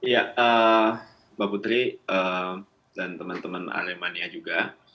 ya mbak putri dan teman teman aremania juga